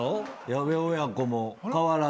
矢部親子も変わらずで。